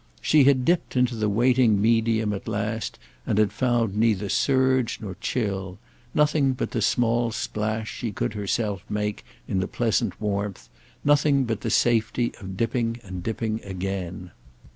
She had dipped into the waiting medium at last and found neither surge nor chill—nothing but the small splash she could herself make in the pleasant warmth, nothing but the safety of dipping and dipping again.